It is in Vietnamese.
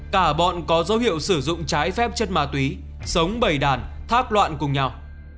cả bọn có dấu hiệu sử dụng trái phép chất ma túy sống bầy đàn thác loạn cùng nhau